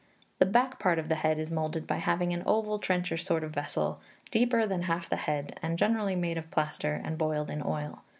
The back part of the head is moulded by having an oval trencher sort of vessel, deeper than half the head, and generally made of plaster, and boiled in oil.